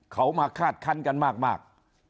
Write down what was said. เขามาคาดคันกันมาก